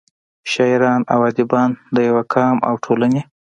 شاعران او اديبان دَيو قام او ټولنې